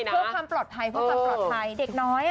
เพื่อความปลอดภัยเพื่อความปลอดภัยเด็กน้อย